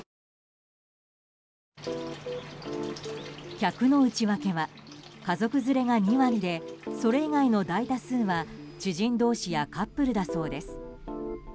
客の内訳は家族連れが２割でそれ以外の大多数は知人同士やカップルだそうです。